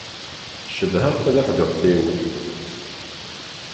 Cedhaɣ tadaḥduḥt-iw.